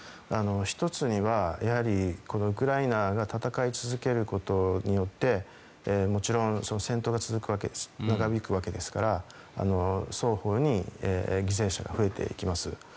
１つにはウクライナが戦い続けることによってもちろん戦闘が続くわけです長引くわけですから双方に犠牲者が増えていきます。